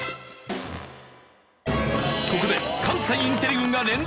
ここで関西インテリ軍が連続で正解！